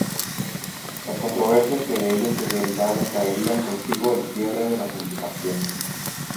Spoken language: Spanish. Las controversias que de ello se derivaron traerían consigo el cierre de la publicación.